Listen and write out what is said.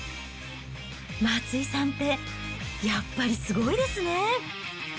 松井さんってやっぱりすごいですね。